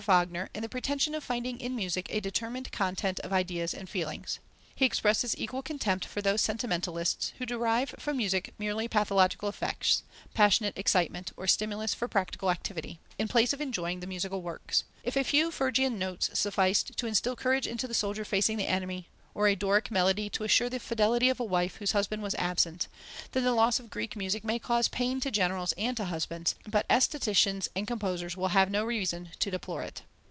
Wagner and the pretension of finding in music a determined content of ideas and feelings. He expresses equal contempt for those sentimentalists who derive from music merely pathological effects, passionate excitement, or stimulus for practical activity, in place of enjoying the musical works. "If a few Phrygian notes sufficed to instil courage into the soldier facing the enemy, or a Doric melody to assure the fidelity of a wife whose husband was absent, then the loss of Greek music may cause pain to generals and to husbands, but aestheticians and composers will have no reason to deplore it."